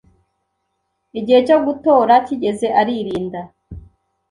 Igihe cyo gutora kigeze, aririnda.